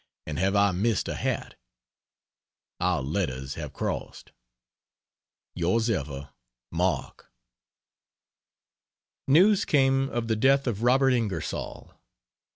and have I missed a hat? Our letters have crossed. Yours ever MARK. News came of the death of Robert Ingersoll.